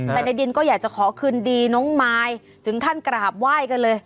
แต่ในดินก็อยากจะขอคืนดีน้องมายถึงขั้นกราบไหว้กันเลย